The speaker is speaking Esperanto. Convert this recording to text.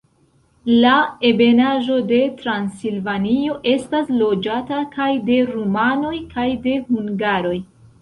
La Ebenaĵo de Transilvanio estas loĝata kaj de rumanoj kaj de hungaroj.